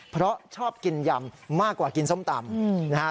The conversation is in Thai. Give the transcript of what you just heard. เพราะชอบกินยำมากกว่ากินส้มตำนะฮะ